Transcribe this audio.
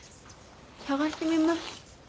さがしてみます。